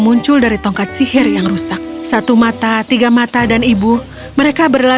ibu dan kedua putrinya berkata